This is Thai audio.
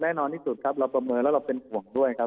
แน่นอนที่สุดครับเราประเมินแล้วเราเป็นห่วงด้วยครับ